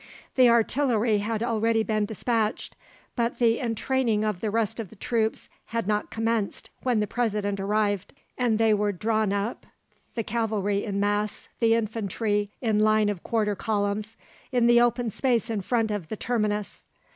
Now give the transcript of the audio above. The artillery had already been despatched, but the entraining of the rest of the troops had not commenced when the President arrived, and they were drawn up (the cavalry in mass, the infantry in line of quarter columns) in the open space in front of the terminus.